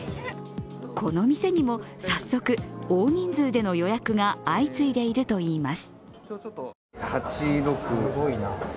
この店にも、早速、大人数での予約が相次いでいるといいます。